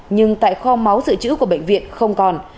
nhưng tại kho máu dự trữ của bệnh viện không còn